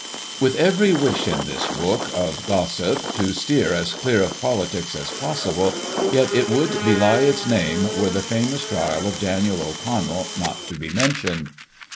*" With every wish, in this book of Gossip, to steer as clear of politics as possible, yet it would belie its name were the famous trial of Daniel O'Connell not to be mentioned.